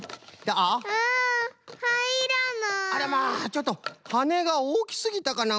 ちょっとはねがおおきすぎたかな？